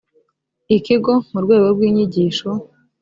ikigo mu rwego rw’inyigisho